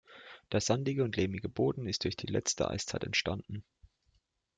Der sandige und lehmige Boden ist durch die letzte Eiszeit entstanden.